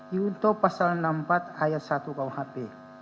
yunto pasal enam puluh empat ayat satu kuhp